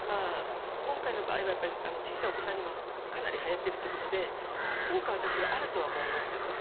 今回の場合は小さいお子さんにもかなりはやっているということで効果は私はあると思います。